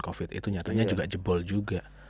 covid itu nyatanya juga jebol juga